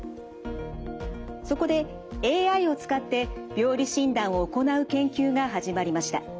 そこでＡＩを使って病理診断を行う研究が始まりました。